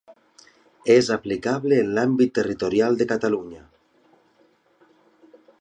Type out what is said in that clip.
És aplicable en l'àmbit territorial de Catalunya.